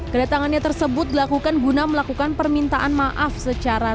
menurut kasubag humas polres jakarta selatan